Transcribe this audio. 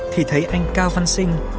thì thấy anh cao văn sinh